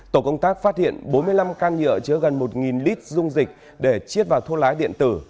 tổ công tác phát hiện bốn mươi năm can nhựa chứa gần một lít dung dịch để chiết vào thuốc lá điện tử